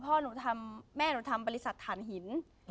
พ่อหนูทำแม่หนูทำบริษัทฐานหิน